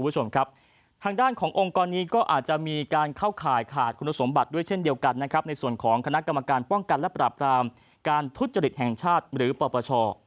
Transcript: คุณผู้ชมครับทางด้านขององค์กรนี้ก็อาจจะมีการเข้าข่ายขาดคุณสมบัติด้วยเช่นเดียวกันนะครับในส่วนของคณะกรรมการป้องกันและปราบรามการทุจริตแห่งชาติหรือปปช